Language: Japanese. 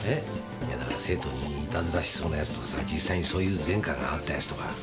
いやだから生徒にいたずらしそうな奴とか実際にそういう前科があった奴とか。